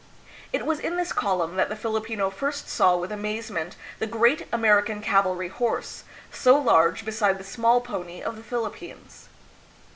It was in this column that the Filipino first saw with amazement the great American cavalry horse, so large beside the small pony of the Phil ippines.